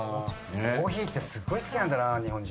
コーヒーすっごい好きなんだな日本人。